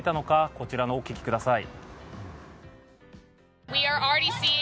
こちらをお聞きください。